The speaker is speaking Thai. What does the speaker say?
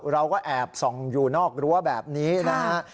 เราก็แอบส่องอยู่นอกรั้วแบบนี้นะฮะ